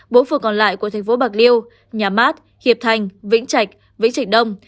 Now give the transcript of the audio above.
bốn phường còn lại của thành phố bạc liêu nhà mát hiệp thành vĩnh trạch vĩnh trạch đông